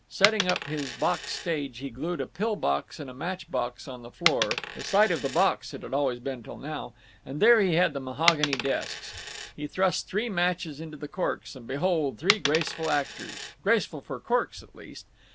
Setting up his box stage, he glued a pill box and a match box on the floor—the side of the box it had always been till now—and there he had the mahogany desks. He thrust three matches into the corks, and behold three graceful actors—graceful for corks, at least.